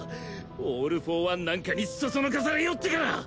オール・フォー・ワンなんかにそそのかされよってから！